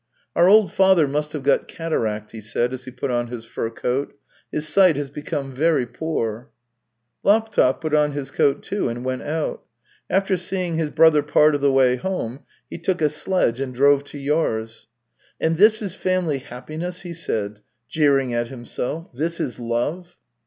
" Our old father must have got cataract," he said, as he put on his fur coat. " His sight has become very poor." Laptev put on his coat, too, and went out. After seeing his brother part of the way home, he took a sledge and drove to Yar's. And this is family happiness !" he said, jeering at himself. " This is love